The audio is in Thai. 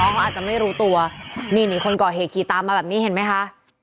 เขาอาจจะไม่รู้ตัวนี่นี่คนก่อเหตุขี่ตามมาแบบนี้เห็นไหมคะ